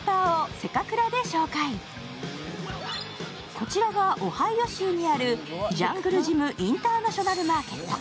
こちらがオハイオ州にあるジャングルジム・インターナショナル・マーケット。